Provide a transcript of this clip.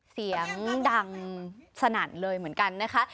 เสียงดังสนั่นเลยเหมือนกันนะคะ